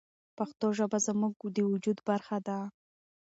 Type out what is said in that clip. پښتو ژبه زموږ د وجود برخه ده.